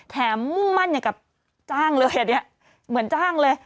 มุ่งมั่นอย่างกับจ้างเลยอ่ะเนี่ยเหมือนจ้างเลย